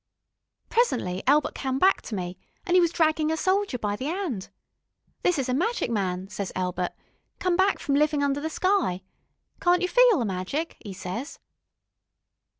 Presently Elbert come back to me, an' 'e was draggin' a soldier by the 'and. 'This is a magic man,' ses Elbert, 'come back from livin' under the sky. Can't you feel the magic?' 'e ses.